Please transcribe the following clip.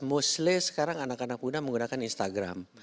mostly sekarang anak anak muda menggunakan instagram